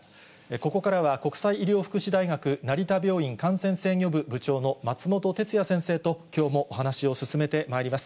ここからは、国際医療福祉大学成田病院感染制御部部長の松本哲哉先生ときょうもお話を進めてまいります。